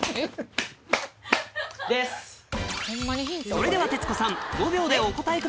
それでは徹子さん５秒でお答えください